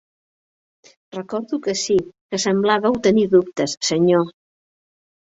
Recordo que sí que semblàveu tenir dubtes, senyor.